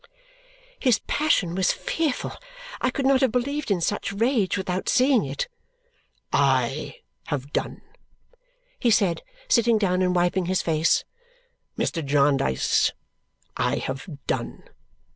His passion was fearful. I could not have believed in such rage without seeing it. "I have done!" he said, sitting down and wiping his face. "Mr. Jarndyce, I have done!